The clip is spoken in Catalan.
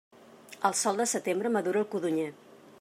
El sol de setembre madura el codonyer.